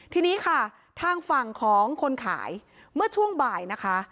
ทีนี้ค่ะทางฝั่งของคนขายเมื่อช่วงบ่ายนะคะ